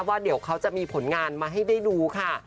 ว่าเดี๋ยวเขาจะมีผลงานมาให้ได้ดูค่ะ